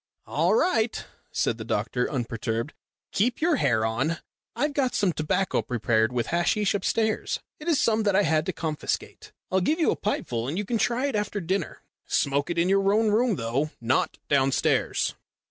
"All right," said the doctor, unperturbed. "Keep your hair on. I've got some tobacco prepared with hasheesh upstairs. It is some that I had to confiscate. I'll give you a pipeful and you can try it after dinner. Smoke it in your own room, though not downstairs."